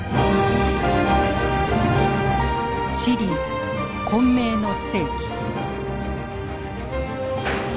シリーズ「混迷の世紀」。